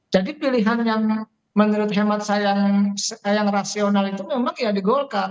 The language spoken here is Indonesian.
jadi pilihan yang menurut saya yang rasional itu memang ya di golkar